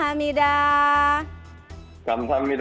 terima kasih semua